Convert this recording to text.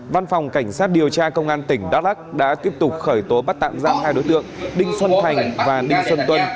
văn phòng cảnh sát điều tra công an tỉnh đắk lắc đã tiếp tục khởi tố bắt tạm giam hai đối tượng đinh xuân thành và đinh xuân tuân